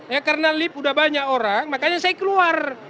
ya karena lift udah banyak orang makanya saya keluar